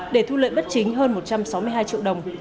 để thu lợi bất chính hơn một trăm sáu mươi hai triệu đồng